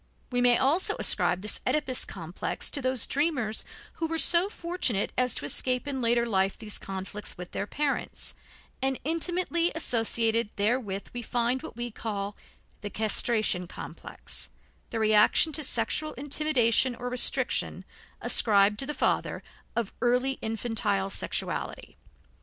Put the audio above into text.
We may also ascribe this Oedipus complex to those dreamers who were so fortunate as to escape in later life these conflicts with their parents, and intimately associated therewith we find what we call the castration complex, the reaction to sexual intimidation or restriction, ascribed to the father, of early infantile sexuality.